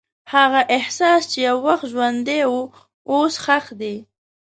هغه احساس چې یو وخت ژوندی و، اوس ښخ دی.